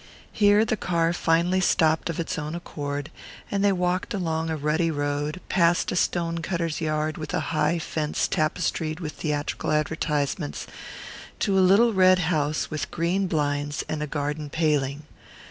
Here the car finally stopped of its own accord, and they walked along a rutty road, past a stone cutter's yard with a high fence tapestried with theatrical advertisements, to a little red house with green blinds and a garden paling.